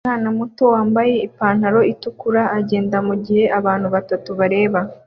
Umwana muto wambaye ipantaro itukura agenda mugihe abantu batatu bareba